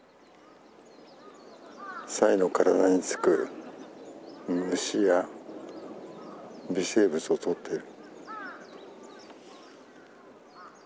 サイの体につく虫や微生物をとっている。